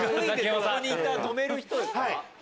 横にいた止める人ですか。